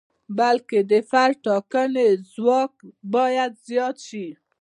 بلکې د فرد د ټاکنې ځواک باید زیات شي.